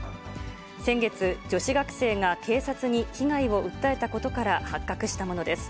先月、女子学生が警察に被害を訴えたことから発覚したものです。